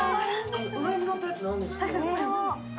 上にのってるやつは何ですか？